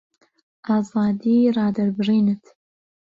ئازادی ڕادەربڕینت